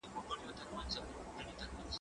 هغه وويل چي مځکه ارزښت لري،